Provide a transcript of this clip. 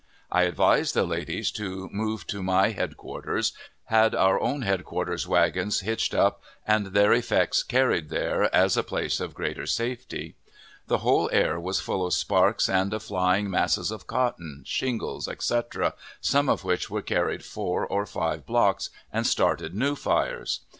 I advised the ladies to move to my headquarters, had our own headquarter wagons hitched up, and their effects carried there, as a place of greater safety. The whole air was full of sparks and of flying masses of cotton, shingles, etc., some of which were carried four or five blocks, and started new fires.